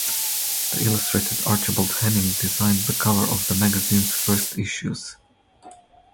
The illustrator Archibald Henning designed the cover of the magazine's first issues.